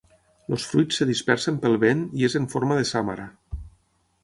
Els fruits es dispersen pel vent i és en forma de sàmara.